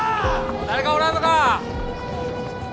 ・誰かおらんのか！